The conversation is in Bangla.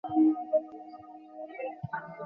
আমার বাবা -- তোমার ভাই, তোমার ভাই!